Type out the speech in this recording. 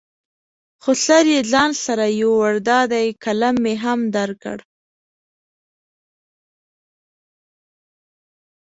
خو سر یې ځان سره یوړ، دا دی قلم مې هم درکړ.